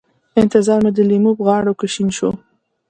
انتظار مې د لېمو غاړو کې شین شو